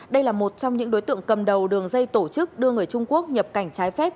đây là một trong những đối tượng cầm đầu đường dây tổ chức đưa người trung quốc nhập cảnh trái phép